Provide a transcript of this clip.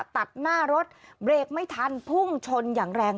ตัดหน้ารถเบรกไม่ทันพุ่งชนอย่างแรง